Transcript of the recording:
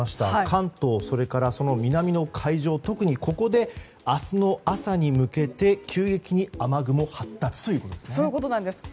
関東それから、その南の海上特にここで明日の朝に向けて急激に雨雲が発達ということですね。